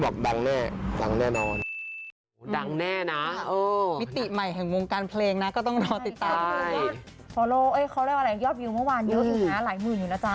เยอะอีกน้ารายหมื่นอยู่นะจ๊ะ